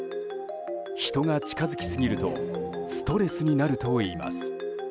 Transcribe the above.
人が近づきすぎるとストレスになるといいます。